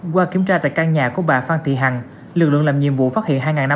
qua kiểm tra tại căn nhà của bà phan thị hằng lực lượng làm nhiệm vụ phát hiện